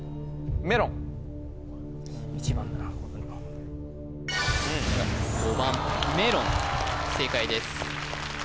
１番だな５番メロン正解です